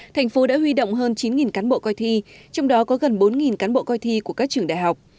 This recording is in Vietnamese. thành phố đã huy động hơn chín cán bộ coi thi trong đó có gần bốn cán bộ coi thi của các trường đại học